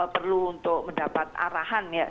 perlu untuk mendapat arahan ya